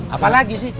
apa lagi sih